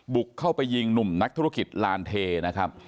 บุกเข้าไปยิงหนุ่มนักธุรกิจลานเทนะครับ